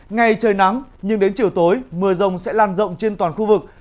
ngày trời nắng nhưng đến chiều tối mưa rông sẽ lan rộng trên toàn khu vực